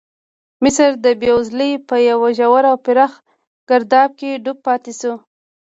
مصر د بېوزلۍ په یو ژور او پراخ ګرداب کې ډوب پاتې شو.